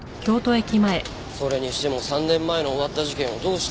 それにしても３年前の終わった事件をどうして？